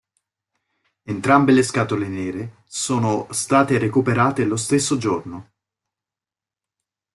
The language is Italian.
Entrambe le scatole nere sono state recuperate lo stesso giorno.